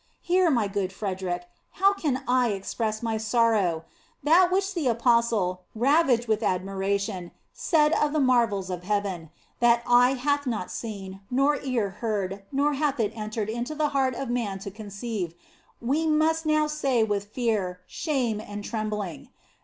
Here, my good Frederic, how can I express to you my sorrow ? That which the apostle, ravished with admiration, In the Nineteenth Century. 73 said of the marvels of heaven, that eye hath not seen, nor ear heard, nor hath it entered into the heart of man to conceive, we must now say with fear, shame, and trembling.